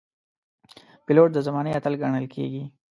پیلوټ د زمانې اتل ګڼل کېږي.